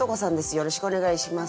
よろしくお願いします。